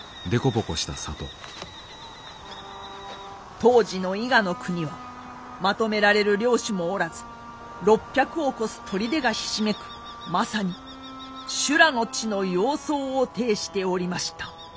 当時の伊賀国はまとめられる領主もおらず６００を超す砦がひしめくまさに修羅の地の様相を呈しておりました。